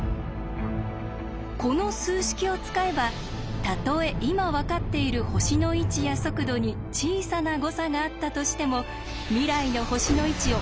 この数式を使えばたとえ今分かっている星の位置や速度に小さな誤差があったとしても未来の星の位置を結構正確に言い当てることができると